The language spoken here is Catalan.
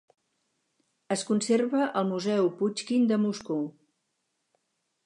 Es conserva al Museu Puixkin de Moscou.